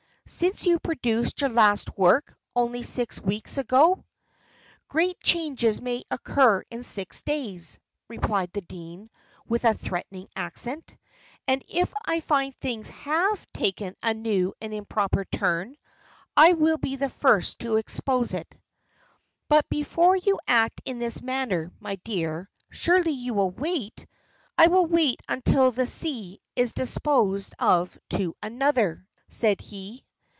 since you produced your last work; only six weeks ago!" "Great changes may occur in six days," replied the dean, with a threatening accent; "and if I find things have taken a new and improper turn, I will be the first to expose it." "But before you act in this manner, my dear, surely you will wait " "I will wait until the see is disposed of to another," said he.